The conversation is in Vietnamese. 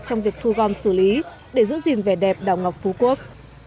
trong việc thu gom xử lý để giữ gìn vẻ đẹp đảo ngọc phú quốc